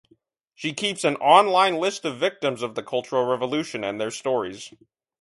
She keeps an online list of victims of the Cultural Revolution and their stories.